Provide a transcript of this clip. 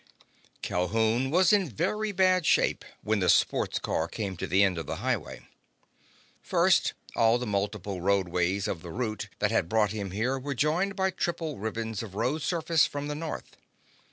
IV Calhoun was in very bad shape when the sports car came to the end of the highway. First, all the multiple roadways of the route that had brought him here were joined by triple ribbons of road surface from the north.